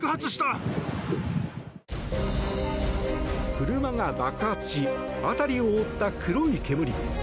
車が爆発し辺りを覆った黒い煙。